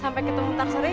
sampai ketemu ntar sore ya